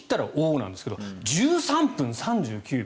なんですけど１３分３９秒。